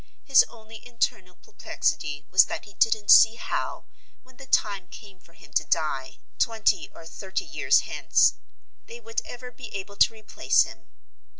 His only internal perplexity was that he didn't see how, when the time came for him to die, twenty or thirty years hence, they would ever be able to replace him.